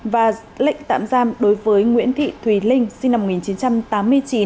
và lệnh tạm giam đối với nguyễn thị thùy linh sinh năm một nghìn chín trăm tám mươi chín